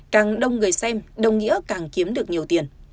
càng đông người xem đồng nghĩa càng kiếm được nhiều tiền